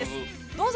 どうぞ。